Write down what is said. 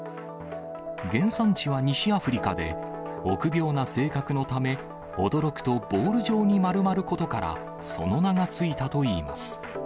原産地は西アフリカで、臆病な性格のため、驚くとボール状に丸まることから、その名が付いたといいます。